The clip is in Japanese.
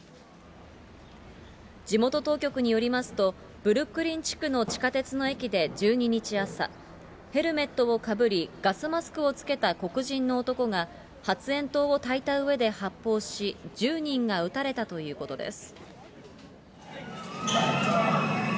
地元当局によりますと、ブルックリン地区の地下鉄の駅で１２日朝、ヘルメットをかぶり、ガスマスクをつけた黒人の男が、発煙筒をたいたうえで発砲し、１０人が撃たれたということです。